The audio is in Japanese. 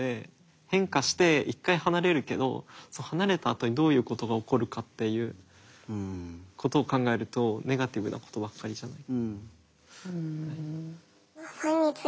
変化して一回離れるけど離れたあとにどういうことが起こるかっていうことを考えるとネガティブなことばっかりじゃない。